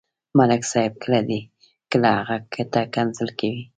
ملک صاحب کله دې، کله هغه ته کنځل کوي.